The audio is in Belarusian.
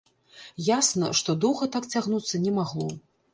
Ясна, што доўга так цягнуцца не магло.